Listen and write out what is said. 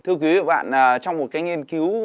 thưa quý vị và các bạn trong một cái nghiên cứu